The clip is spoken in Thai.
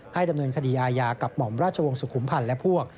ดำเนินคดีอาญากับหม่อมราชวงศ์สุขุมพันธ์และพวก